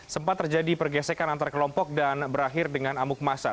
sempat terjadi pergesekan antar kelompok dan berakhir dengan amuk masa